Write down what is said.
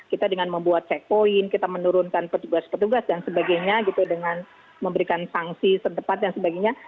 kita dengan membuat checkpoint kita menurunkan petugas petugas dan sebagainya gitu dengan memberikan sanksi sedepat dan sebagainya